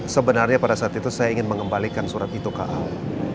sebenarnya pada saat itu saya ingin mengembalikan surat itu ke allah